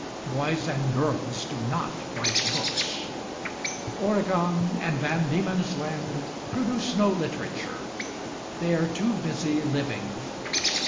Boys and girls do not write books. Oregon and Van Diemen's Land produce no literature: they are too busy living.